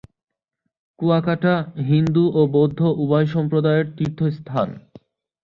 কুয়াকাটা হিন্দু ও বৌদ্ধ উভয় সম্প্রদায়ের তীর্থস্থান।